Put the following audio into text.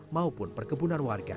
maupun perkebunan warga